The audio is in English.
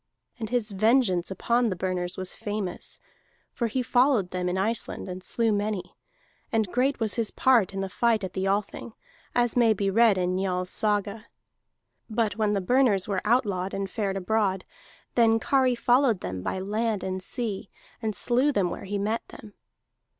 And his vengeance upon the Burners was famous, for he followed them in Iceland, and slew many; and great was his part in the fight at the Althing, as may be read in Njal's saga. But when the Burners were outlawed and fared abroad, then Kari followed them by land and sea, and slew them where he met them.